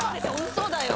⁉嘘だよ！